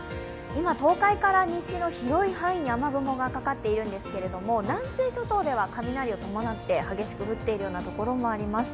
今、東海から西の広い範囲に雨雲がかかっているんですが南西諸島では雷を伴って激しく降っているような所もあります。